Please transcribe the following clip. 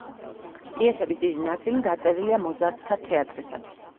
პიესების დიდი ნაწილი დაწერილია მოზარდთა თეატრისათვის.